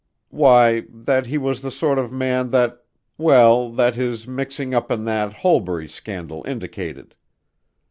"Why, that he was the sort of man that well, that his mixing up in that Holbury scandal indicated."